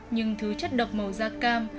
nhưng thứ chất độc màu da cam